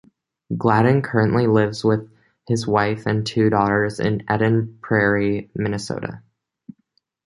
Gladden currently lives with his wife and two daughters in Eden Prairie, Minnesota.